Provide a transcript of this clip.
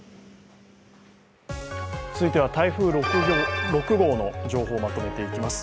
続いては台風６号の情報をまとめていきます。